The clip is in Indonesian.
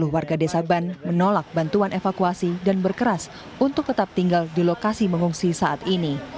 sepuluh warga desa ban menolak bantuan evakuasi dan berkeras untuk tetap tinggal di lokasi mengungsi saat ini